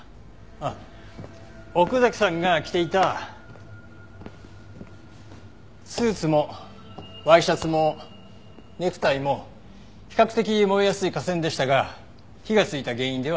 あっ奥崎さんが着ていたスーツもワイシャツもネクタイも比較的燃えやすい化繊でしたが火がついた原因ではありません。